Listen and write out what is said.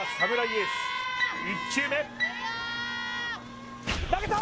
エース１球目投げた！